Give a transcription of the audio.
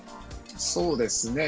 そうですね。